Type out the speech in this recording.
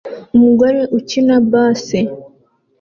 Umugore ukina bass